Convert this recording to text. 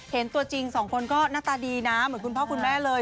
ตัวจริงสองคนก็หน้าตาดีนะเหมือนคุณพ่อคุณแม่เลย